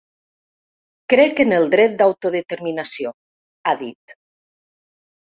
Crec en el dret d’autodeterminació –ha dit–.